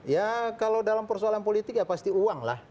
ya kalau dalam persoalan politik ya pasti uang lah